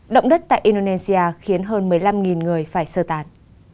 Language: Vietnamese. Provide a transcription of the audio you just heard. động đất tại indonesia khiến hơn một mươi năm người phải sơ tán